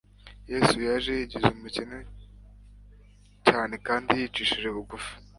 Yesu yaje yigize umukene cyane kandi yicishije bugufi